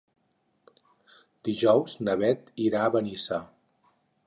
Dijous na Beth irà a Benissa.